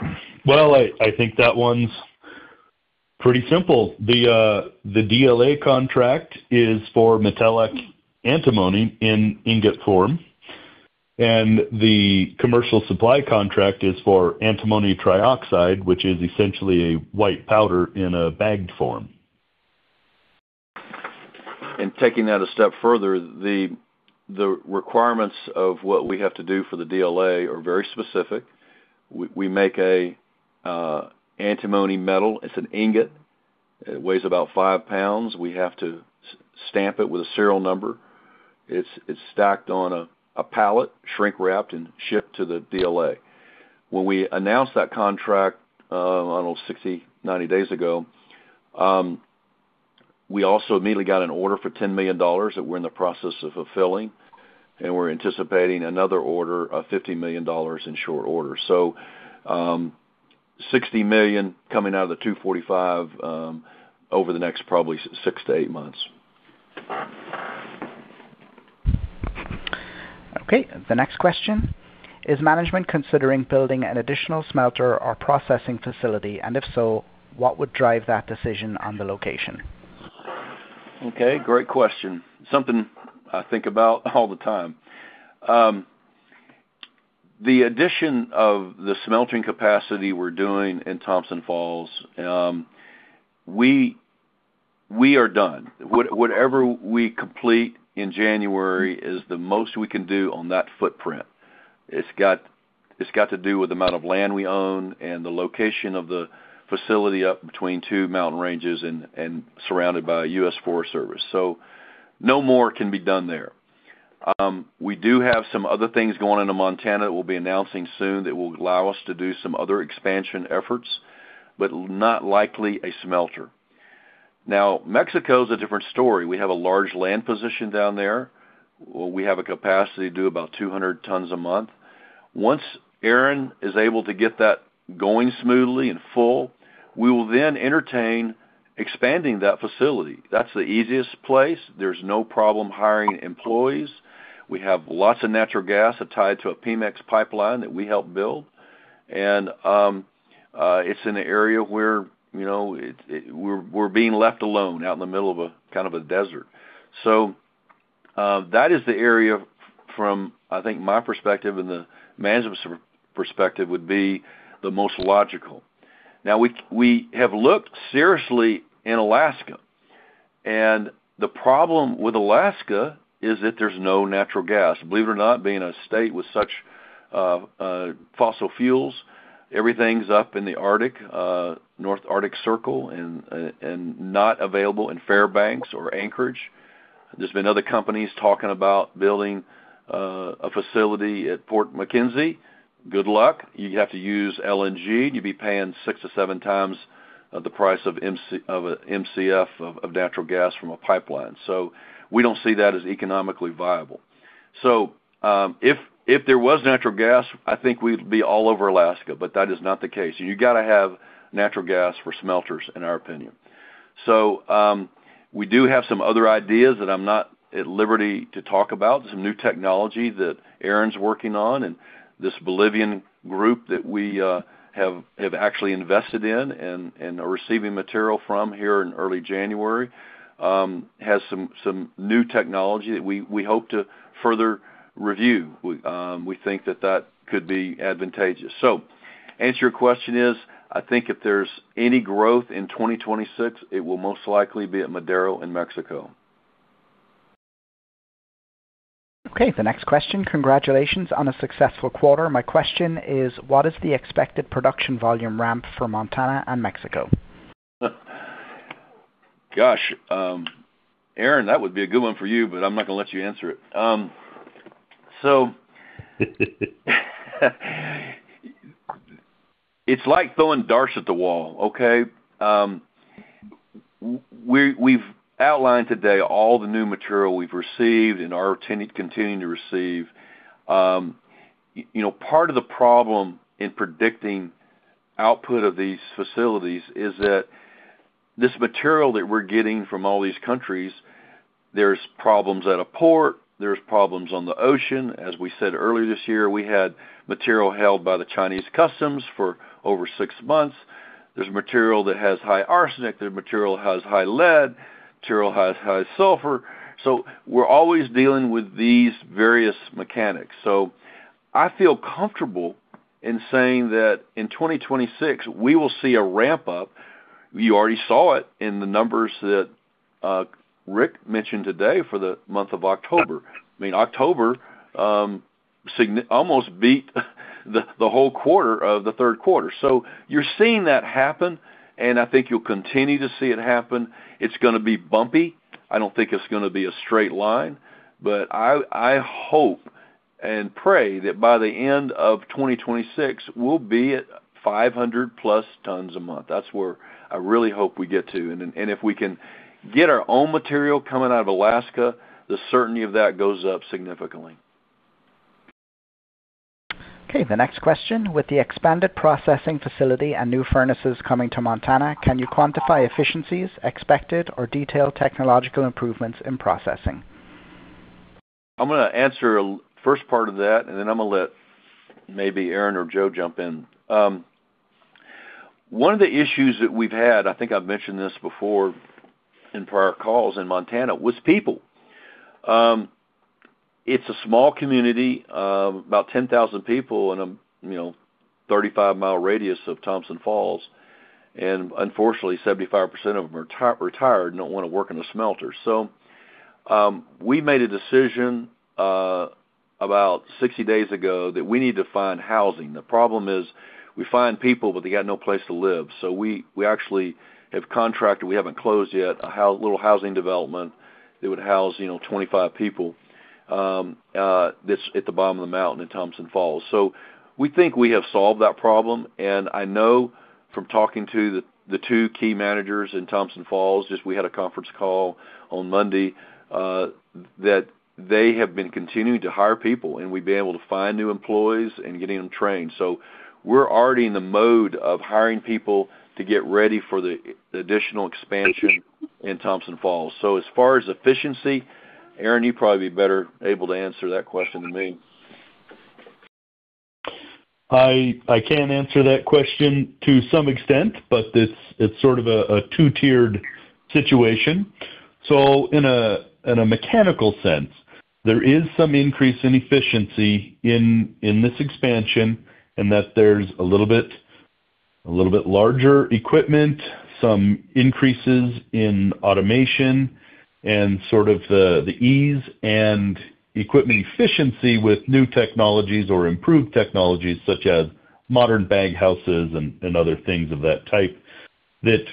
I think that one's pretty simple. The DLA contract is for metallic antimony in ingot form. The commercial supply contract is for antimony trioxide, which is essentially a white powder in a bagged form. Taking that a step further, the requirements of what we have to do for the DLA are very specific. We make an antimony metal. It's an ingot. It weighs about 5 lbs. We have to stamp it with a serial number. It's stacked on a pallet, shrink-wrapped, and shipped to the DLA. When we announced that contract, I don't know, 60, 90 days ago, we also immediately got an order for $10 million that we're in the process of fulfilling. We're anticipating another order of $50 million in short order. $60 million coming out of the $245 million over the next probably six to eight months. Okay. The next question. Is management considering building an additional smelter or processing facility? If so, what would drive that decision on the location? Okay. Great question. Something I think about all the time. The addition of the smeltering capacity we're doing in Thompson Falls, we are done. Whatever we complete in January is the most we can do on that footprint. It's got to do with the amount of land we own and the location of the facility up between two mountain ranges and surrounded by U.S. Forest Service. No more can be done there. We do have some other things going into Montana that we'll be announcing soon that will allow us to do some other expansion efforts, but not likely a smelter. Now, Mexico is a different story. We have a large land position down there. We have a capacity to do about 200 tons a month. Once Aaron is able to get that going smoothly and full, we will then entertain expanding that facility. That's the easiest place. There's no problem hiring employees. We have lots of natural gas tied to a Pemex pipeline that we helped build. And it's in an area where we're being left alone out in the middle of kind of a desert. So that is the area from, I think, my perspective and the management's perspective would be the most logical. Now, we have looked seriously in Alaska. And the problem with Alaska is that there's no natural gas. Believe it or not, being a state with such fossil fuels, everything's up in the Arctic, North Arctic Circle, and not available in Fairbanks or Anchorage. There's been other companies talking about building a facility at Port MacKenzie. Good luck. You'd have to use LNG. You'd be paying six to seven times the price of Mcf, of natural gas from a pipeline. So we don't see that as economically viable. If there was natural gas, I think we'd be all over Alaska, but that is not the case. You have to have natural gas for smelters, in our opinion. We do have some other ideas that I'm not at liberty to talk about. There is some new technology that Aaron's working on. This Bolivian group that we have actually invested in and are receiving material from here in early January has some new technology that we hope to further review. We think that could be advantageous. The answer to your question is, I think if there is any growth in 2026, it will most likely be at Madero in Mexico. Okay. The next question. Congratulations on a successful quarter. My question is, what is the expected production volume ramp for Montana and Mexico? Gosh. Aaron, that would be a good one for you, but I'm not going to let you answer it. It's like throwing darts at the wall, okay? We've outlined today all the new material we've received and are continuing to receive. Part of the problem in predicting output of these facilities is that this material that we're getting from all these countries, there's problems at a port. There's problems on the ocean. As we said earlier this year, we had material held by the Chinese customs for over six months. There's material that has high arsenic. There's material that has high lead. There's material that has high sulfur. We're always dealing with these various mechanics. I feel comfortable in saying that in 2026, we will see a ramp-up. You already saw it in the numbers that Rick mentioned today for the month of October. I mean, October almost beat the whole quarter of the third quarter. You are seeing that happen, and I think you will continue to see it happen. It is going to be bumpy. I do not think it is going to be a straight line. I hope and pray that by the end of 2026, we will be at 500-plus tons a month. That is where I really hope we get to. If we can get our own material coming out of Alaska, the certainty of that goes up significantly. Okay. The next question. With the expanded processing facility and new furnaces coming to Montana, can you quantify efficiencies, expected, or detailed technological improvements in processing? I'm going to answer the first part of that, and then I'm going to let maybe Aaron or Joe jump in. One of the issues that we've had, I think I've mentioned this before in prior calls, in Montana, was people. It's a small community, about 10,000 people in a 35 mi radius of Thompson Falls. Unfortunately, 75% of them are retired and do not want to work in a smelter. We made a decision about 60 days ago that we need to find housing. The problem is we find people, but they have no place to live. We actually have contracted—we have not closed yet—a little housing development that would house 25 people that is at the bottom of the mountain in Thompson Falls. We think we have solved that problem. I know from talking to the two key managers in Thompson Falls, just we had a conference call on Monday, that they have been continuing to hire people and we've been able to find new employees and getting them trained. We're already in the mode of hiring people to get ready for the additional expansion in Thompson Falls. As far as efficiency, Aaron, you probably be better able to answer that question than me. I can answer that question to some extent, but it's sort of a two-tiered situation. In a mechanical sense, there is some increase in efficiency in this expansion in that there's a little bit larger equipment, some increases in automation, and sort of the ease and equipment efficiency with new technologies or improved technologies such as modern bag houses and other things of that type that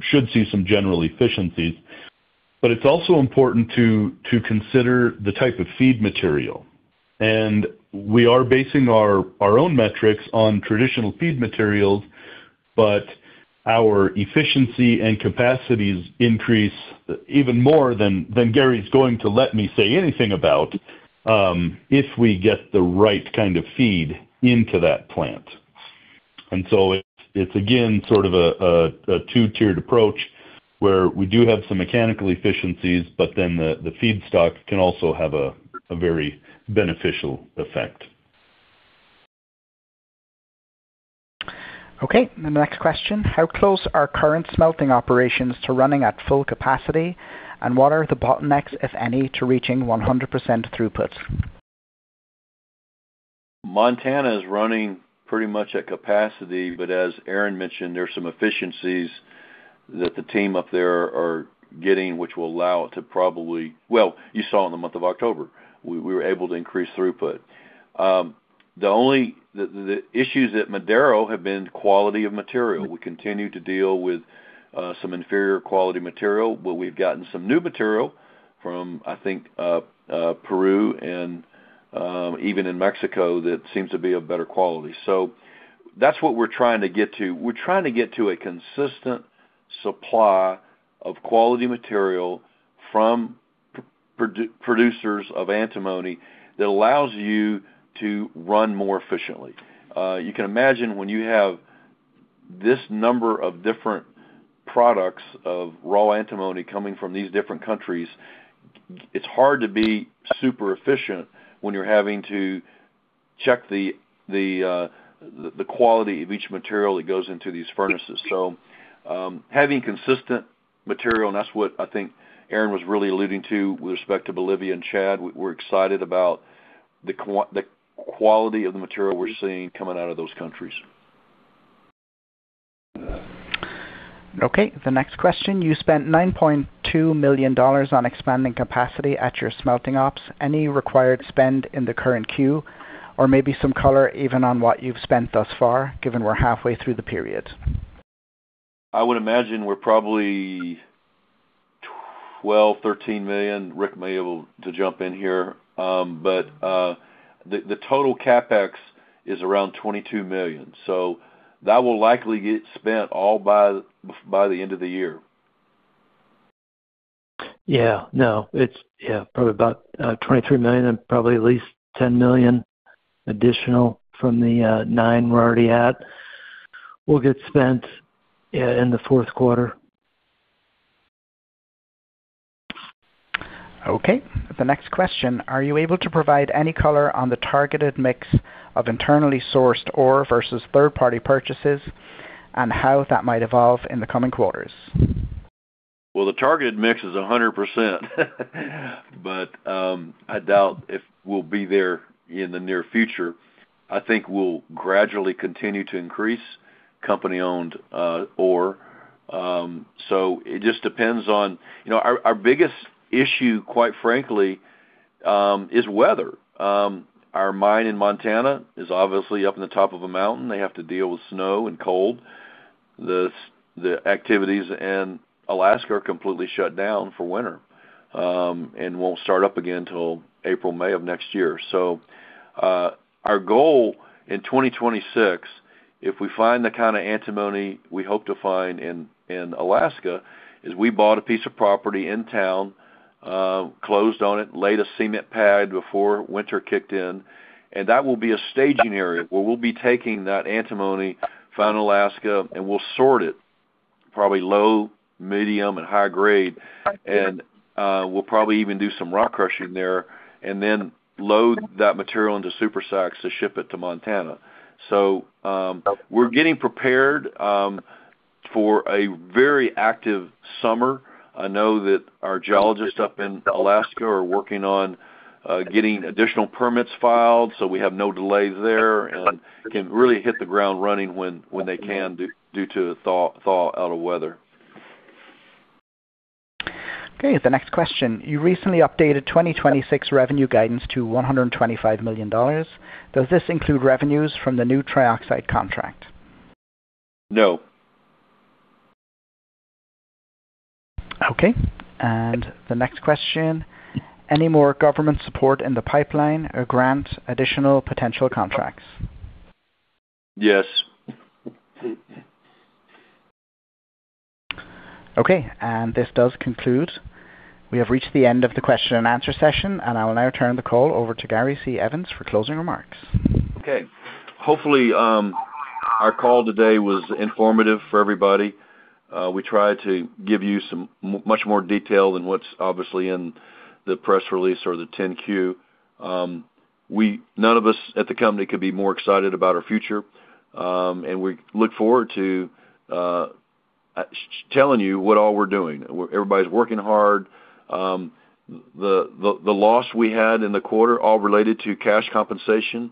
should see some general efficiencies. It's also important to consider the type of feed material. We are basing our own metrics on traditional feed materials, but our efficiency and capacities increase even more than Gary's going to let me say anything about if we get the right kind of feed into that plant. It's, again, sort of a two-tiered approach where we do have some mechanical efficiencies, but then the feed stock can also have a very beneficial effect. Okay. The next question. How close are current smelting operations to running at full capacity? What are the bottlenecks, if any, to reaching 100% throughput? Montana is running pretty much at capacity, but as Aaron mentioned, there are some efficiencies that the team up there are getting, which will allow it to probably—well, you saw in the month of October, we were able to increase throughput. The issues at Madero have been quality of material. We continue to deal with some inferior quality material, but we've gotten some new material from, I think, Peru and even in Mexico that seems to be of better quality. That is what we're trying to get to. We're trying to get to a consistent supply of quality material from producers of antimony that allows you to run more efficiently. You can imagine when you have this number of different products of raw antimony coming from these different countries, it's hard to be super efficient when you're having to check the quality of each material that goes into these furnaces. Having consistent material—and that's what I think Aaron was really alluding to with respect to Bolivia and Chad—we're excited about the quality of the material we're seeing coming out of those countries. Okay. The next question. You spent $9.2 million on expanding capacity at your smelting ops. Any required spend in the current queue? Or maybe some color even on what you've spent thus far, given we're halfway through the period? I would imagine we're probably $12 million, $13 million. Rick may be able to jump in here. The total CapEx is around $22 million. That will likely get spent all by the end of the year. Yeah. No. Yeah. Probably about $23 million and probably at least $10 million additional from the $9 million we're already at will get spent in the fourth quarter. Okay. The next question. Are you able to provide any color on the targeted mix of internally sourced ore versus third-party purchases and how that might evolve in the coming quarters? The targeted mix is 100%, but I doubt if we'll be there in the near future. I think we'll gradually continue to increase company-owned ore. It just depends on our biggest issue, quite frankly, which is weather. Our mine in Montana is obviously up in the top of a mountain. They have to deal with snow and cold. The activities in Alaska are completely shut down for winter and won't start up again until April, May of next year. Our goal in 2026, if we find the kind of antimony we hope to find in Alaska, is we bought a piece of property in town, closed on it, laid a cement pad before winter kicked in. That will be a staging area where we'll be taking that antimony from Alaska and we'll sort it, probably low, medium, and high grade. We'll probably even do some rock crushing there and then load that material into Super Sacks to ship it to Montana. We are getting prepared for a very active summer. I know that our geologists up in Alaska are working on getting additional permits filed so we have no delays there and can really hit the ground running when they can due to a thaw out of weather. Okay. The next question. You recently updated 2026 revenue guidance to $125 million. Does this include revenues from the new trioxide contract? No. Okay. The next question. Any more government support in the pipeline or grant additional potential contracts? Yes. Okay. This does conclude. We have reached the end of the question and answer session, and I will now turn the call over to Gary C. Evans for closing remarks. Okay. Hopefully, our call today was informative for everybody. We tried to give you some much more detail than what is obviously in the press release or the 10-Q. None of us at the company could be more excited about our future. We look forward to telling you what all we are doing. Everybody is working hard. The loss we had in the quarter all related to stock compensation,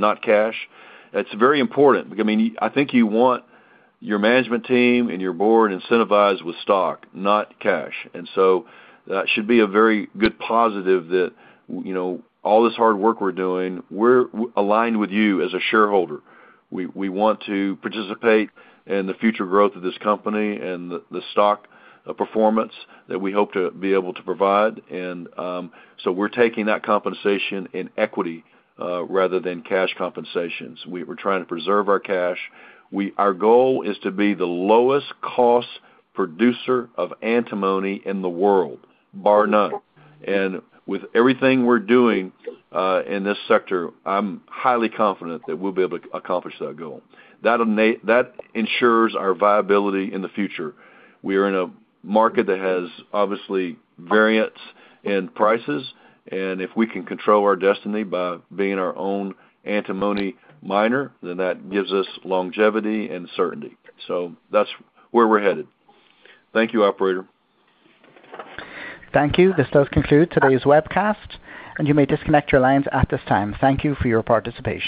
not cash. It is very important because, I mean, I think you want your management team and your board incentivized with stock, not cash. That should be a very good positive that all this hard work we are doing, we are aligned with you as a shareholder. We want to participate in the future growth of this company and the stock performance that we hope to be able to provide. We are taking that compensation in equity rather than cash compensations. We are trying to preserve our cash. Our goal is to be the lowest-cost producer of antimony in the world, bar none. With everything we are doing in this sector, I am highly confident that we will be able to accomplish that goal. That ensures our viability in the future. We are in a market that has obviously variants in prices. If we can control our destiny by being our own antimony miner, that gives us longevity and certainty. That is where we are headed. Thank you, operator. Thank you. This does conclude today's webcast, and you may disconnect your lines at this time. Thank you for your participation.